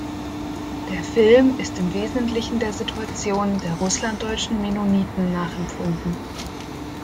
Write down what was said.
Der Film ist im Wesentlichen der Situation der russlanddeutschen Mennoniten nachempfunden.